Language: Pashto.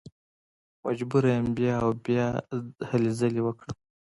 مجبوره یم بیا او بیا هلې ځلې وکړم.